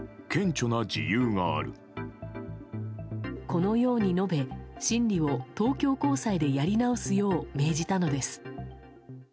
このように述べ審理を東京高裁でやり直すよう命じたのです。